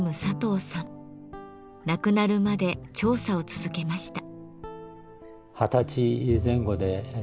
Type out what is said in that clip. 亡くなるまで調査を続けました。